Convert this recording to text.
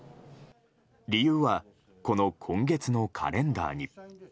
理由は、この今月のカレンダーに。